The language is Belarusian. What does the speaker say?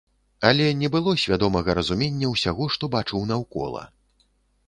Але не было свядомага разумення ўсяго, што бачыў наўкола.